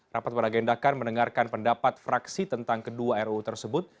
rapat beragendakan mendengarkan pendapat fraksi tentang kedua ruu tersebut